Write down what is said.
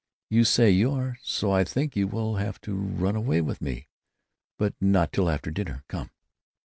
You say you are; so I think you will have to run away with me.... But not till after dinner! Come."